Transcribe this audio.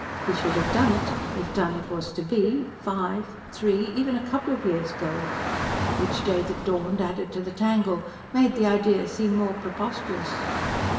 He should have done it, if done it was to be, five ... three ... even a couple of years ago. Each day that dawned added to the tangle, made the idea seem more preposterous.